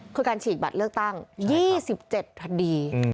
คือการฉีกบัตรเลือกตั้ง๒๗คดี